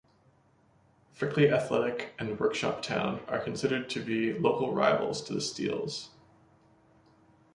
Frickley Athletic and Worksop Town are considered to be local rivals to the Steels.